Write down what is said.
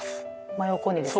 真横にですか？